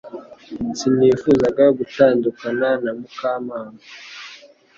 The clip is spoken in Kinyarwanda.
Sinifuzaga gutandukana na Mukamana